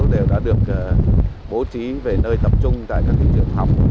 đều đã được bố trí về nơi tập trung tại các trường học